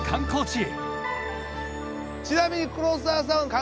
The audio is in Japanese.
へ！